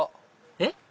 えっ？